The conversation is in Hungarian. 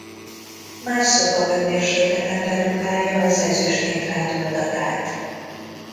Már szobahőmérsékleten redukálja az ezüst-nitrát oldatát.